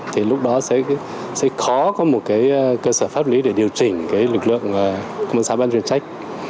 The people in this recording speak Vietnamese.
thì lúc đó sẽ khó có một cơ sở pháp lý để điều chỉnh lực lượng công an xã bán chuyên trách